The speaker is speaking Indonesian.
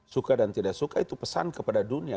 suka dan tidak suka itu pesan kepada dunia